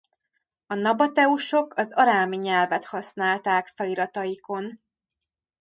A nabateusok az arámi nyelvet használták felirataikon.